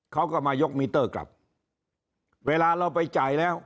เขาก็มายกมิเตอร์กลับเวลาเราไปจ่ายแล้ว